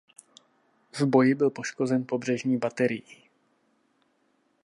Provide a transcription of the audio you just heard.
V boji byl poškozen pobřežní baterií.